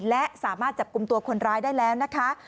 และสามารถจับกลุ่มตัวคนร้ายได้แล้วนะคะ